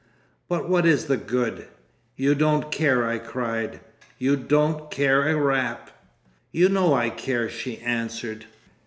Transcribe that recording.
"But what is the good?" "You don't care," I cried. "You don't care a rap!" "You know I care," she answered.